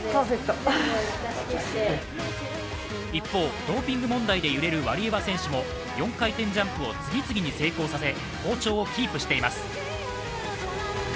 一方、ドーピング問題で揺れるワリエワ選手も４回転ジャンプを次々に成功させ好調をキープさせています。